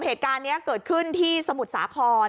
เหตุการณ์นี้เกิดขึ้นที่สมุทรสาคร